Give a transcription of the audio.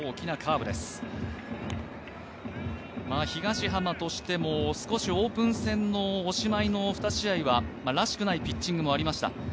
東浜としても少しオープン戦のおしまいの２試合はらしくないピッチングもありました。